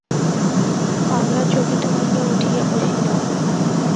কমলা চকিত হইয়া উঠিয়া বসিল।